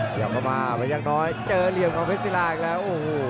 เดี๋ยาก็มาพยักน้อยเจอเหลี่ยวของเฟซิลายังแล้ว